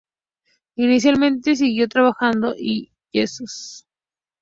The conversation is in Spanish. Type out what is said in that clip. Inicialmente siguió trabajando yesos.